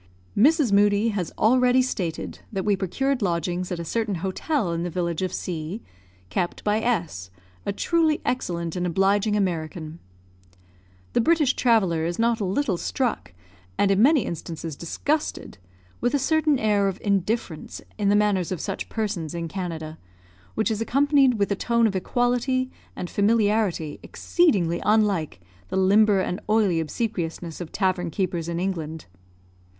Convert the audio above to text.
Mrs. Moodie has already stated that we procured lodgings at a certain hotel in the village of C kept by S , a truly excellent and obliging American. The British traveller is not a little struck, and in many instances disgusted, with a certain air of indifference in the manners of such persons in Canada, which is accompanied with a tone of equality and familiarity exceedingly unlike the limber and oily obsequiousness of tavern keepers in England.